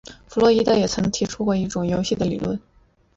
弗洛伊德也曾提出过一种游戏的理论。